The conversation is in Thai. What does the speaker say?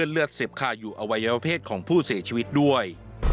เอาไว้ว่าเพศของผู้เสียชีวิตด้วย